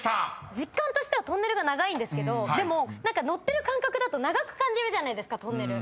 実感としてはトンネルが長いけどでも何か乗ってる感覚だと長く感じるじゃないですかトンネル。